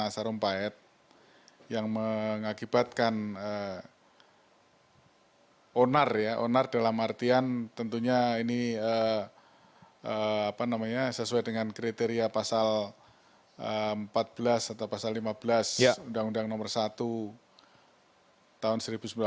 sarumpayat yang mengakibatkan onar ya onar dalam artian tentunya ini sesuai dengan kriteria pasal empat belas atau pasal lima belas undang undang nomor satu tahun seribu sembilan ratus sembilan puluh lima